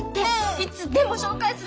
いつでも紹介するって！